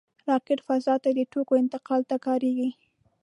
راکټ فضا ته د توکو انتقال ته کارېږي